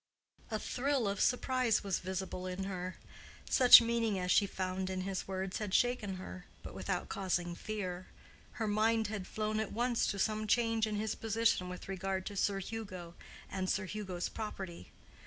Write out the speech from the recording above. A thrill of surprise was visible in her. Such meaning as she found in his words had shaken her, but without causing fear. Her mind had flown at once to some change in his position with regard to Sir Hugo and Sir Hugo's property.